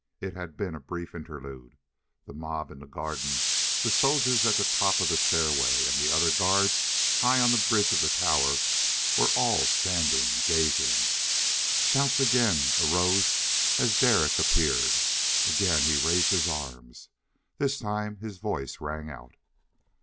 It had been a brief interlude. The mob in the garden, the soldiers at the top of the stairway, and the other guards high on the bridge of the tower were all standing gazing. Shouts again arose as Derek appeared. Again he raised his arms. This time his voice rang out.